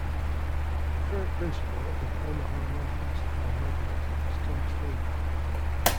The current principal of Omaha Northwest High Magnet is Thomas Lee.